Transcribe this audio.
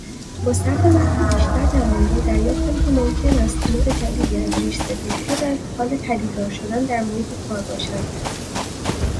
با صرف وقت بیشتر در آنجا، دریافتم که ممکن است نوع جدیدی از «ریشسفیدها» در حال پدیدار شدن در محیط کار باشند